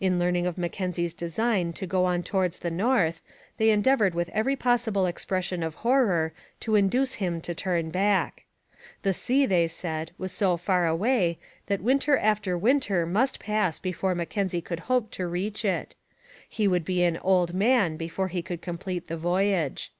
On learning of Mackenzie's design to go on towards the north they endeavoured with every possible expression of horror to induce him to turn back. The sea, they said, was so far away that winter after winter must pass before Mackenzie could hope to reach it: he would be an old man before he could complete the voyage.